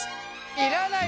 いらない